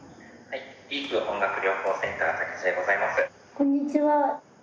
こんにちは。